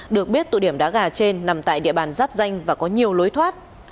được biết tụ điểm đá gà trên nằm tại địa bàn giáp danh và có nhiều lối thoát